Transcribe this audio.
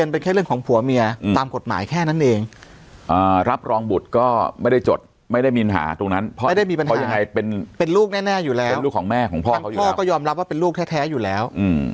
เป็นลูกแน่อยู่แล้วทางพ่อก็ยอมรับว่าเป็นลูกแท้อยู่แล้ว